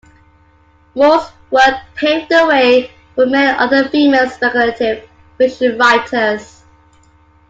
Moore's work paved the way for many other female speculative fiction writers.